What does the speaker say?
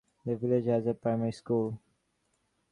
The village has a primary school.